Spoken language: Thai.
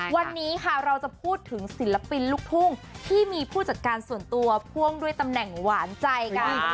วันนี้ค่ะเราจะพูดถึงศิลปินลูกทุ่งที่มีผู้จัดการส่วนตัวพ่วงด้วยตำแหน่งหวานใจกัน